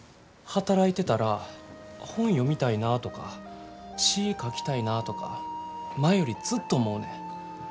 働いてたら本読みたいなとか詩ぃ書きたいなぁとか前よりずっと思うねん。